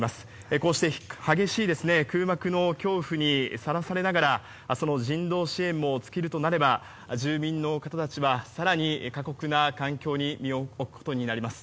こうして激しい空爆の恐怖にさらされながらその人道支援も尽きるとなれば住民の方たちは更に過酷な環境に身を置くことになります。